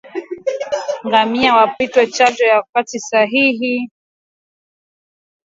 Ngamia wapatiwe chanjo kwa wakati sahihi